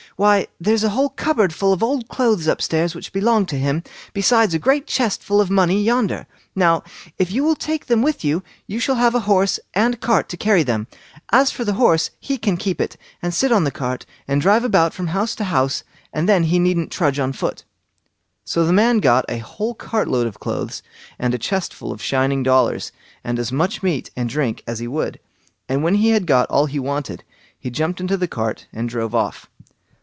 Why, there's a whole cupboard full of old clothes up stairs which belonged to him, besides a great chest full of money yonder. Now, if you will take them with you, you shall have a horse and cart to carry them. As for the horse, he can keep it, and sit on the cart, and drive about from house to house, and then he needn't trudge on foot." So the man got a whole cart load of clothes, and a chest full of shining dollars, and as much meat and drink as he would; and when he had got all he wanted, he jumped into the cart and drove off.